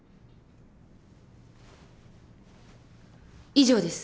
以上です。